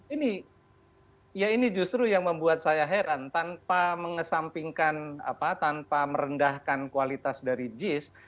ini ya ini justru yang membuat saya heran tanpa mengesampingkan tanpa merendahkan kualitas dari jis